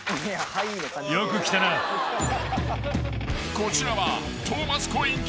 ［こちらは］